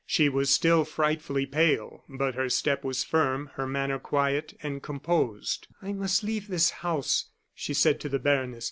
She was still frightfully pale; but her step was firm, her manner quiet and composed. "I must leave this house," she said to the baroness.